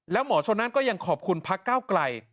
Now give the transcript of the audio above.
แล้วหมอชนนั่นก็ยังขอบคุณพักเก้าไกล